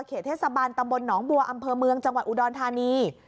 เทศบาลตำบลหนองบัวอำเภอเมืองจังหวัดอุดรธานี